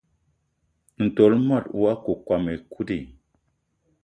Ntol mot wakokóm ekut i?